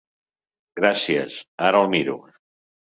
Gràcies, ara el miro!